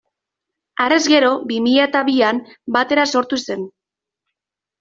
Harrez gero, bi mila eta bian, Batera sortu zen.